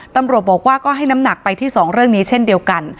ตำรวจบอกว่าก็ให้น้ำหนักไปที่๒เรื่องนี้เช่นเดียวกัน